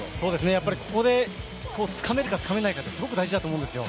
やっぱり、ここでつかめるかつかめないかってすごく大事だと思うんですよ。